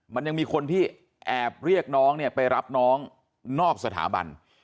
มันยังมีคนที่แอบเรียกน้องเนี่ยไปรับน้องนอกสถาบัน